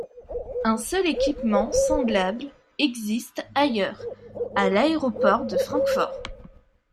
Un seul équipement semblable existe ailleurs, à l'aéroport de Francfort.